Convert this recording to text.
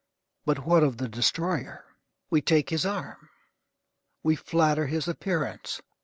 But what of the destroyer? We take his arm. We flatter his appearance.